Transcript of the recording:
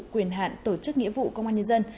quyền hạn tổ chức nghĩa vụ công an nhân dân